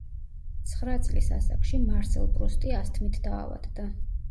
ცხრა წლის ასაკში მარსელ პრუსტი ასთმით დაავადდა.